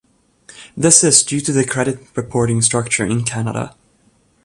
This is due to the credit reporting structure in Canada.